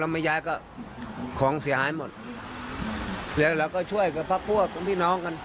ไม่ย้ายก็ของเสียหายหมดแล้วเราก็ช่วยกับพักพวกของพี่น้องกัน